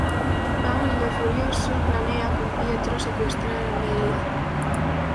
Paolo, furioso, planea con Pietro secuestrar a Amelia.